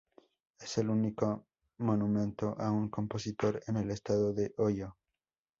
Es el único monumento a un compositor en el estado de Ohio.